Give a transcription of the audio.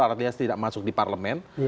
artinya tidak masuk di parlemen